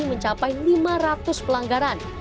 mencapai lima ratus pelanggaran